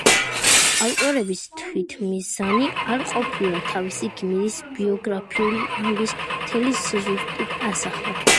ავტორების თვითმიზანი არ ყოფილა თავისი გმირის ბიოგრაფიული ამბის მთელი სიზუსტით ასახვა.